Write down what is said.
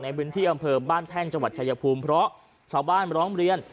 ในบินที่อำเภอบ้านแท่นจชายภูมิเพราะเจ้าบ้านมาร้องเรียน